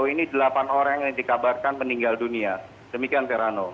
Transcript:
baik bisa anda identifikasi apakah sejauh ini delapan orang yang dikabarkan meninggal dunia demikian verano